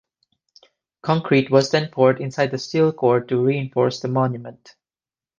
Concrete was then poured inside the steel core to reinforce the monument.